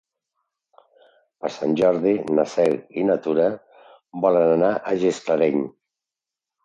Per Sant Jordi na Cel i na Tura volen anar a Gisclareny.